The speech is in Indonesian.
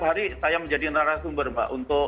empat hari saya menjadi narasumber mbak untuk